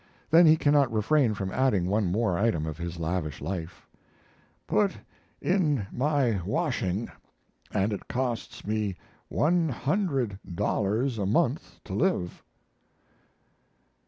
Then he cannot refrain from adding one more item of his lavish life: "Put in my washing, and it costs me one hundred dollars a month to live."